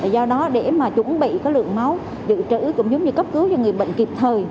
do đó để chuẩn bị lượng máu dự trữ cũng giống như cấp cứu cho người bệnh kịp thời